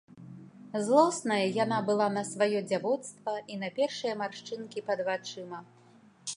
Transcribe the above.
Злосная яна была на сваё дзявоцтва і на першыя маршчынкі пад вачыма.